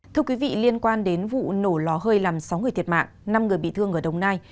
thưa quý vị liên quan đến vụ nổ lò hơi làm sáu người thiệt mạng năm người bị thương ở đồng nai